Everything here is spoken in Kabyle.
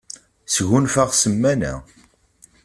Sgunfaɣ ssmana.